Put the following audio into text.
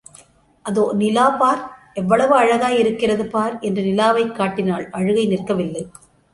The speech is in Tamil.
அதோ நிலா பார் எவ்வளவு அழகாயிருக்கிறது பார் என்று நிலாவைக் காட்டினாள் அழுகை நிற்கவில்லை.